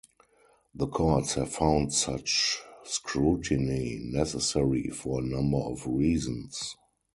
The courts have found such scrutiny necessary for a number of reasons.